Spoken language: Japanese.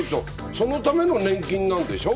そのための年金なんでしょう。